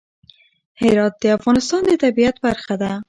هرات د افغانستان د طبیعت برخه ده.